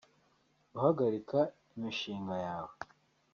Guhagarika imishinga yawe